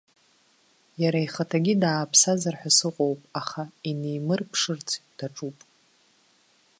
Иара ихаҭагьы дааԥсазар ҳәа сыҟоуп, аха инимырԥшырц даҿуп.